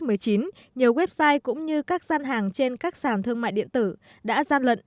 nhiều website cũng như các gian hàng trên các sàn thương mại điện tử đã gian lận